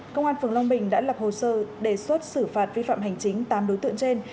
công an phường long bình đã lập hồ sơ đề xuất xử phạt vi phạm hành chính tám đối tượng trên